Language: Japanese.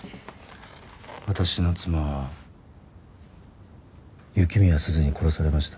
私の妻は雪宮鈴に殺されました。